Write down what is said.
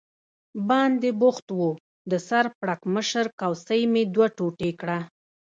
باندې بوخت و، د سر پړکمشر کوسۍ مې دوه ټوټې کړه.